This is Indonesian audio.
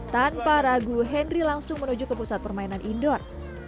tanpa ragu henry langsung menuju ke pusat permainan indoor